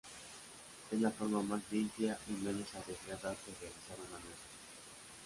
Es la forma más limpia y menos arriesgada de realizar una mezcla.